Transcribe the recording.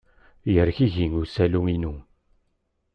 Yergigi usawal-inu.